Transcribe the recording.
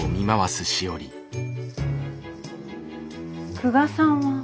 久我さんは？